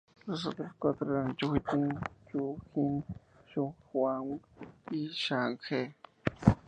Los otros cuatro eran Yue Jin, Yu Jin, Xu Huang y Zhang He.